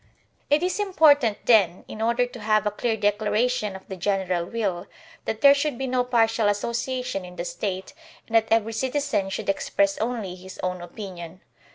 It is important, then, in order to have a clear declaration of the general will, that there should be no partial as sociation in the State, and that every citizen should express only his own opinion.